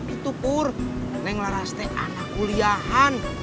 itu pur neng laras tuh anak kuliahan